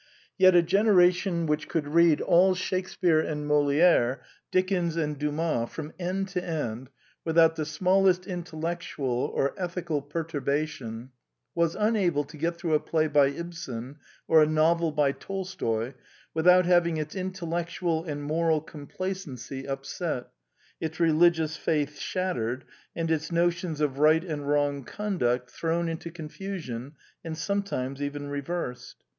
Yet a generation which could read all Shakespear and Moliere, Dickens and Dumas, from end to end without the smallest intellectual or ethical perturbation, was unable to get through a play by Ibsen or a novel by Tol stoy without having its intellectual and moral complacency upset, its religious faith shattered, and its notions of right and wrong conduct thrown into confusion and sometimes even reversed.